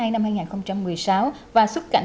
năm hai nghìn một mươi sáu và xuất cảnh